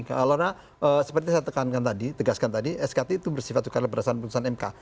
karena seperti saya tegaskan tadi skt itu bersifat juga adalah peresahan keputusan mk